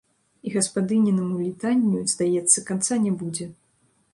І гаспадынінаму літанню, здаецца, канца не будзе.